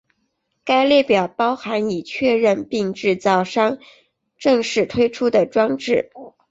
该列表包含已确认并制造商正式推出的装置。